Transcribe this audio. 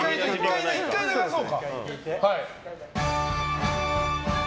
１回流そう。